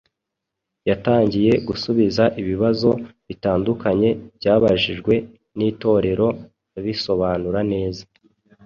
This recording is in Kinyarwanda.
Yatangiye gusubiza ibibazo bitandukanye byabajijwe n’Itorero abisobanura neza,